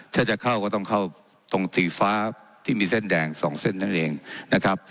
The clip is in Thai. ถ้าจะเข้าก็ต้องเข้าตรงสีฟ้าที่มีเส้นแดงสองเส้นนั่นเองนะครับ